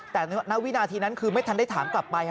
แต่ณวินาทีนั้นคือไม่ทันได้ถามกลับไป